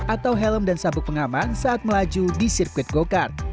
atau helm dan sabuk pengaman saat melaju di sirkuit go kart